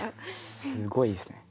すごいですね。